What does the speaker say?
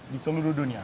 di seluruh dunia